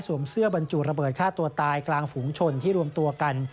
เสื้อบรรจุระเบิดฆ่าตัวตายกลางฝูงชนที่รวมตัวกัน